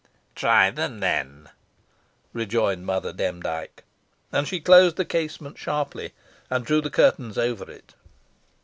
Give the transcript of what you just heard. "Try them, then," rejoined Mother Demdike. And she closed the casement sharply, and drew the curtains over it.